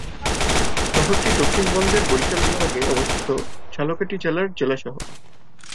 শহরটি দক্ষিণবঙ্গের বরিশাল বিভাগে অবস্থিত ঝালকাঠি জেলার জেলা শহর।